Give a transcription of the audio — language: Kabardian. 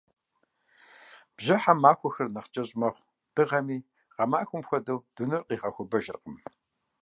Бжьыхьэм махуэхэр нэхъ кӀэщӀ мэхъу, дыгъэми, гъэмахуэм хуэдэу, дунейр къигъэхуэбэжыркъым.